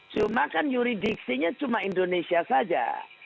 cuma kan yuridiksinya cuma indonesia saja